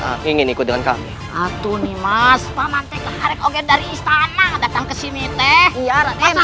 a ingin ikut dengan kami atun mas pamante keharian dari istana datang ke sini teh ya